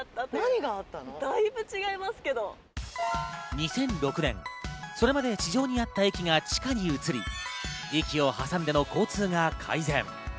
２００６年、それまで地上にあった駅が地下に移り、駅を挟んでの交通が改善。